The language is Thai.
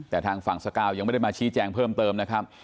แต่ทางฝั่งสกาวยังไม่ได้มาชี้แจงเพิ่มเติมนะครับ